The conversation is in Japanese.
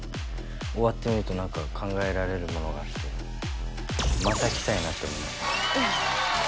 終わってみると何か考えられるものがあってまた来たいなと思いましたね。